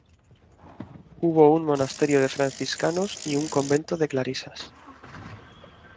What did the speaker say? Hubo un monasterio de franciscanos y un convento de Clarisas.